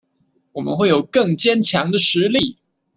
我們會有更堅強的實力